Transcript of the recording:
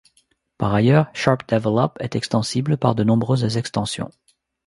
Par ailleurs, SharpDevelop est extensible par de nombreuses extensions.